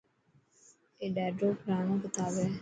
اي ڏاڌو پراڻو ڪتاب هي.